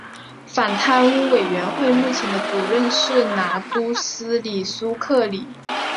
反贪污委员会目前的主席是拿督斯里苏克里。